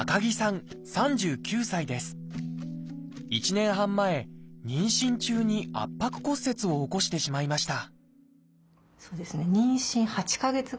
１年半前妊娠中に圧迫骨折を起こしてしまいました